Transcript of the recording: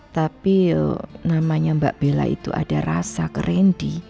tapi namanya mbak bela itu ada rasa ke randy